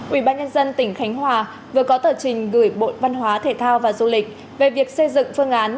ubnd tỉnh khánh hòa vừa có tờ trình gửi bộ văn hóa thể thao và du lịch về việc xây dựng phương án